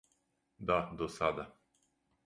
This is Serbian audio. Да, до сада.